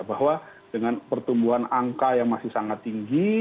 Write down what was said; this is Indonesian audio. bahwa dengan pertumbuhan angka yang masih sangat tinggi